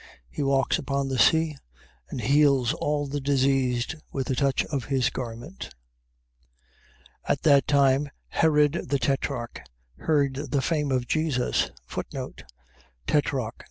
He walks upon the sea, and heals all the diseased with the touch of his garment. 14:1. At that time Herod the Tetrarch heard the fame of Jesus. Tetrarch.